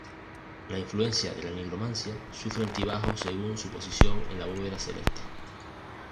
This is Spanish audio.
La influencia de la nigromancia sufre altibajos según su posición en la bóveda celeste.